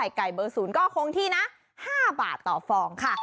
แล้วก็ไข่ไก่เบอร์ศูนย์ก็คงที่นะ๕บาทต่อฟองค่ะ